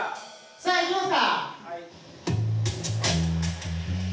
さあいきますか。